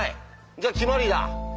じゃあ決まりだ。